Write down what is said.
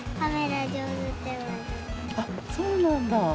あっそうなんだ。